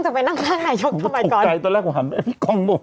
จะไปนั่งข้างนายยกทำไว้ก่อนตอนแรกผมหันพี่กล้องบอก